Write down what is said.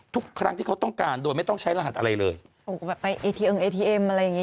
ทุกครั้งที่เขาต้องการโดยไม่ต้องใช้รหัสอะไรเลยผมก็แบบไปเอทีเอิงเอทีเอ็มอะไรอย่างงี